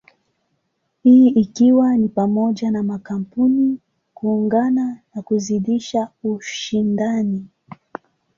Hii ikiwa ni pamoja na makampuni kuungana na kuzidisha ushindani.